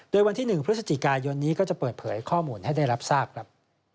โดยวันที่๑พฤศจิกายนนี้ก็จะเปิดเผยข้อมูลให้ได้รับทราบครับ